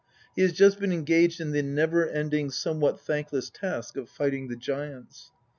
He has just been engaged in the never ending, somewhat thankless task, of fighting the giants.